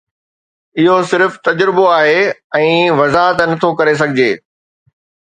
اهو صرف تجربو آهي ۽ وضاحت نه ٿو ڪري سگهجي